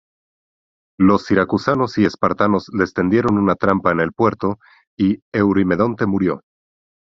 Los siracusanos y espartanos les tendieron una trampa en el puerto y Eurimedonte murió.